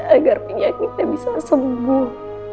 agar minyak kita bisa sembuh